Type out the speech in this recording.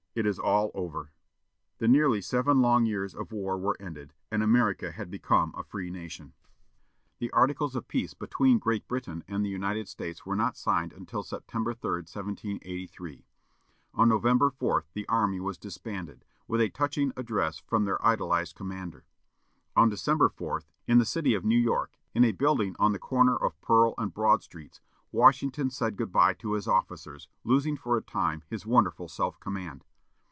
it is all over!" The nearly seven long years of war were ended, and America had become a free nation. The articles of peace between Great Britain and the United States were not signed till September 3, 1783. On November 4 the army was disbanded, with a touching address from their idolized commander. On December 4, in the city of New York, in a building on the corner of Pearl and Broad Streets, Washington said good bye to his officers, losing for a time his wonderful self command.